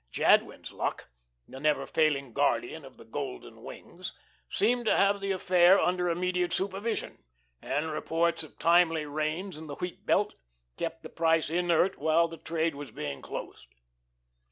Jadwin's luck the never failing guardian of the golden wings seemed to have the affair under immediate supervision, and reports of timely rains in the wheat belt kept the price inert while the trade was being closed.